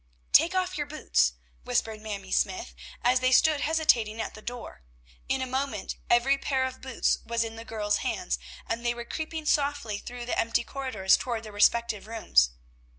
"Take off your boots," whispered Mamie Smythe, as they stood hesitating at the door. In a moment every pair of boots was in the girls' hands, and they were creeping softly through the empty corridors toward their respective rooms.